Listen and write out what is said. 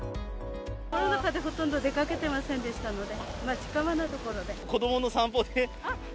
コロナ禍でほとんど出かけてませんでしたので、子どもの散歩で。